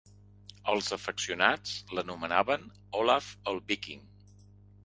Els afeccionats l'anomenaven "Olav el Víking".